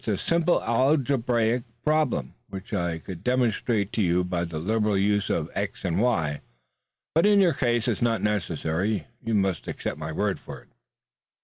It's a simple algebraic problem which I could demonstrate to you by the liberal use of x and y, but in your case it's not necessary. You must accept my word for it."